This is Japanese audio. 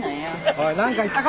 おいなんか言ったか？